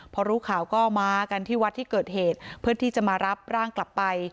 พอรู้ข่าวก็มากันที่วัดที่เกิดเหตุเพื่อที่จะมารับร่างกลับไป